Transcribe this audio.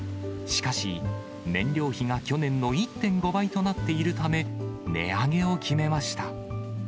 しかし、燃料費が去年の１．５倍となっているため、値上げを決めました。